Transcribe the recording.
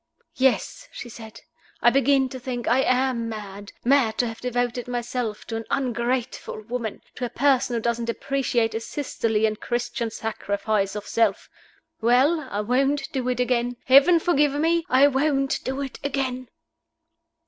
"Yes," she said. "I begin to think I am mad mad to have devoted myself to an ungrateful woman, to a person who doesn't appreciate a sisterly and Christian sacrifice of self. Well, I won't do it again. Heaven forgive me I won't do it again!"